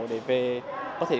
để về trường học khoa học tự nhiên